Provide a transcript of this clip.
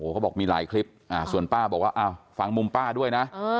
เขาบอกมีหลายคลิปส่วนป้าบอกว่าอ้าวฟังมุมป้าด้วยนะ